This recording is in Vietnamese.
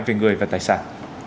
về người và tài sản